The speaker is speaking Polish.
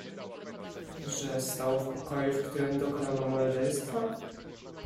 "Że stało w pokoju, w którem dokonano morderstwa?"